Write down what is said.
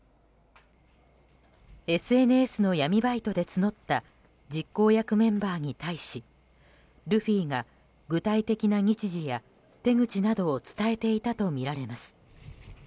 ＳＮＳの闇バイトで募った実行役メンバーに対しルフィが具体的な日時や手口などを伝えていたとみられます。